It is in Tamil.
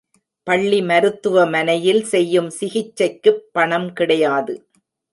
பள்ளி மருத்துவமனையில் செய்யும் சிகிச்சைக்குப் பணம் கிடையாது.